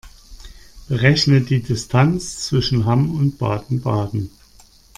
Berechne die Distanz zwischen Hamm und Baden-Baden